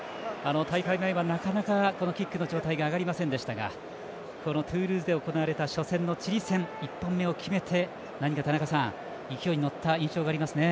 大会前はなかなかキックの状態が上がりませんでしたがトゥールーズで行われた初戦のチリ戦１本目を決めて田中さん、勢いにのった印象がありますね。